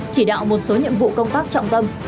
chỉ đạo một số nhiệm vụ công tác trọng tâm